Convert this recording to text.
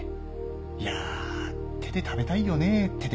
いや手で食べたいよね手で。